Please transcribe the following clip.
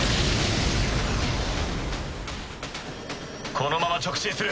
このまま直進する。